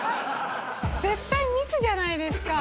絶対ミスじゃないですか。